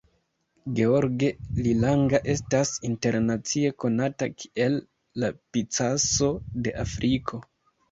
George Lilanga estas internacie konata kiel "la Picasso de Afriko".